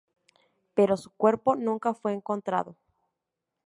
Pero su cuerpo nunca fue encontrado.